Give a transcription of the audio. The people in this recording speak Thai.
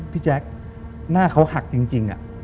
แจ๊คหน้าเขาหักจริง